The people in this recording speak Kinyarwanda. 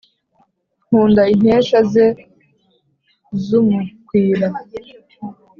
Nkunda inkesha ze z'umukwira.